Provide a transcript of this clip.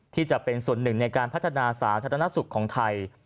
ที่จะเป็นส่วนหนึ่งในการพัฒนาสาธารณสุขของไทย